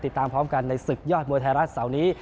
ติดตามพร้อมกันในศึกยอดมวยไทยรัฐเสาร์นี้